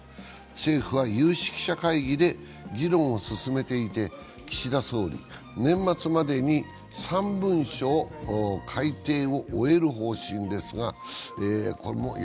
政府は有識者会議で議論を進めていて岸田総理は、年末までに３文書を改訂を終える方針です。